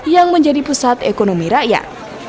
yang menjadi pusat ekonomi rakyat